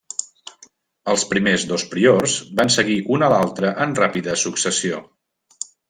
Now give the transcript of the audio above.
Els primers dos priors van seguir un a l'altre en ràpida successió.